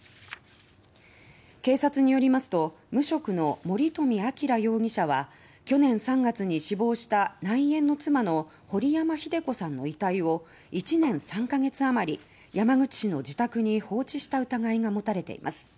警察によりますと無職の森冨晃容疑者は去年３月に死亡した内縁の妻の堀山秀子さんの遺体を１年３か月あまり山口市の自宅に放置した疑いが持たれています。